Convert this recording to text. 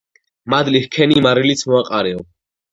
მადლი ჰქენი მარილიც მოაყარეო